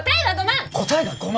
答えは５万！